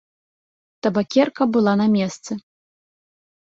Табакерка была на месцы.